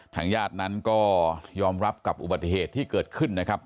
ทางญาตินั้นก็ยอมรับกับอุบัติเหตุที่เกิดขึ้นนะครับ